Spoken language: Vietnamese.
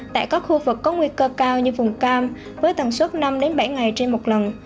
tại các khu vực có nguy cơ cao như vùng cam với tần suất năm bảy ngày trên một lần